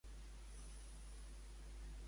Li és correspost aquest amor a en David?